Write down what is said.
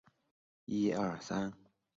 茶竿竹为禾本科茶秆竹属下的一个种。